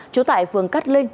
trú tại phường cát linh